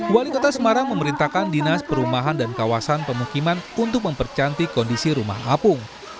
wali kota semarang memerintahkan dinas perumahan dan kawasan pemukiman untuk mempercantik kondisi rumah apung